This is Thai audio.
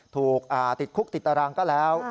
ถูกติดคุกติดตารางก็แล้ว